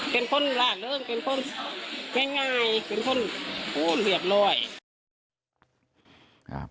เป็นคนละเริ่มเป็นคนง่ายเป็นคนเหลือบรอย